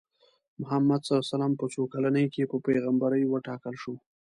محمد ص په څو کلنۍ کې په پیغمبرۍ وټاکل شو؟